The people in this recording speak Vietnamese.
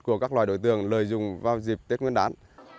của các loài đội tường lợi dụng vào dịp tết nguyên đán